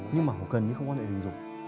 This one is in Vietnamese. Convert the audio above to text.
nhưng mà còn cần thì không có thể hình dụng